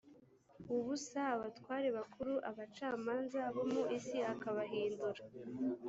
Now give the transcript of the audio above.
ubusa abatware bakuru abacamanza bo mu isi akabahindura